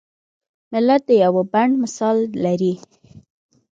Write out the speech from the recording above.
ملت د یوه بڼ مثال لري.